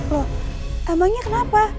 loh emangnya kenapa